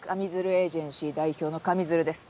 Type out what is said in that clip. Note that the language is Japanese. エージェンシー代表の上水流です。